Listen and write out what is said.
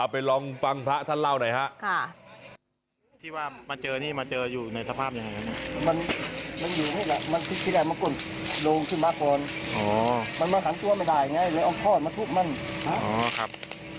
ไปลองฟังพระท่านเล่าหน่อยครับ